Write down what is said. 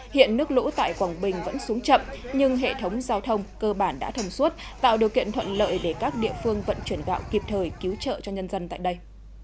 hiện nước lũ tại quảng bình vẫn xuống chậm nhưng hệ thống giao thông cơ bản đã thầm suốt tạo điều kiện thuận lợi để các địa phương vận chuyển gạo kịp thời cứu trợ cho nhân dân tại đây